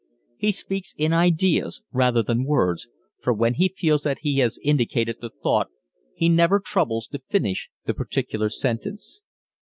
He speaks in ideas rather than words, for when he feels that he has indicated the thought he never troubles to finish the particular sentence.